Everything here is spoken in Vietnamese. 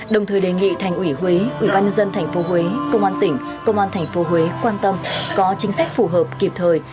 đồng thời đề nghị thành ủy huế ủy ban nhân dân tp huế công an tỉnh công an tp huế quan tâm có chính sách phù hợp kịp thời